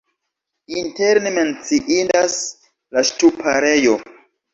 Interne menciindas la ŝtuparejo.